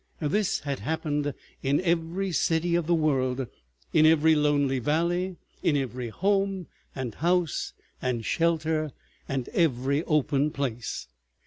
This had happened in every city of the world, in every lonely valley, in every home and house and shelter and every open place.